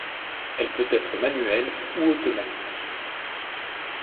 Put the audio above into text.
Elle peut être manuelle ou automatique.